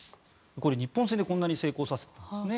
これは日本戦でこんなに成功させていたんですね。